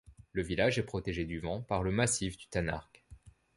Le village est protégé du vent par le massif du Tanargue.